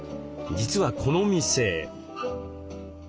実はこの店。